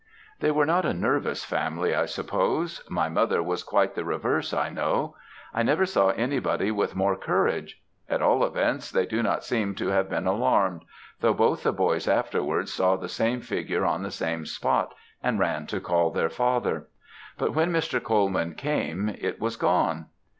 "They were not a nervous family, I suppose; my mother was quite the reverse, I know. I never saw anybody with more courage; at all events, they do not seem to have been alarmed, though both the boys afterwards saw the same figure on the same spot, and ran to call their father; but when Mr. Colman came it was gone.